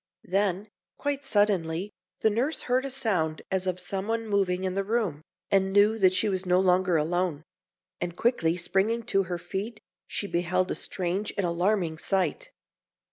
Then, quite suddenly, the nurse heard a sound as of someone moving in the room, and knew that she was no longer alone; and quickly springing to her feet, she beheld a strange and alarming sight.